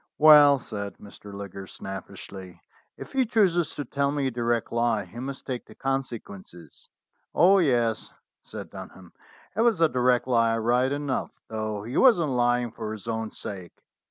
"Well," said Mr. Liggers snappishly, "if he chooses to tell me a direct lie, he must take the consequences." "Oh, yes," said Dunham, "it was a direct lie right enough, though he wasn't lying for his own sake.